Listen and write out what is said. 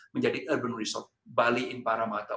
menjadi urban resort bali in paramata